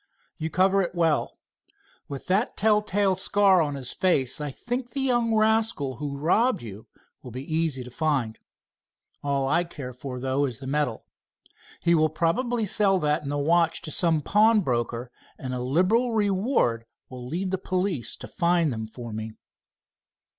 "You cover it well. With that tell tale scar on his face, I think the young rascal who robbed you will be easy to find. All I care for, though, is the medal. He will probably sell that and the watch to some pawnbroker, and a liberal reward will lead the police to find them for me."